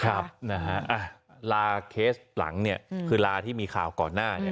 ครับนะฮะลาเคสหลังเนี่ยคือลาที่มีข่าวก่อนหน้าเนี่ย